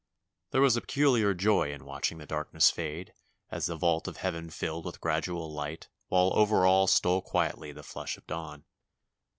There was a peculiar joy in watching the darkness fade as the vault of heaven filled with gradual light while over all stole quietly the flush of dawn.